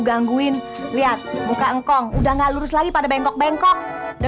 ngangguin lihat buka engkong udah nggak lurus lagi pada bengkok bengkok the